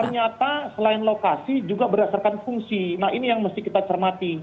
ternyata selain lokasi juga berdasarkan fungsi nah ini yang mesti kita cermati